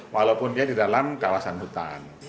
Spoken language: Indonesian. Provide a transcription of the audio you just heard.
walaupun dia di dalam kawasan hutan